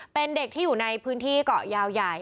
เป็นเด็กที่อยู่ในพื้นที่เกาะยาวใหญ่